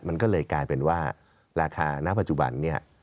มันก็เลยกลายเป็นว่าราคาณปัจจุบันนี้